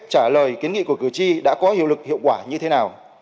trả lời kiến nghị của cử tri đã có hiệu lực hiệu quả như thế nào